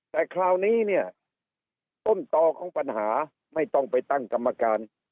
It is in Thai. แต่คราวนี้เนี่ยต้นต่อของปัญหาไม่ต้องไปตั้งกรรมการ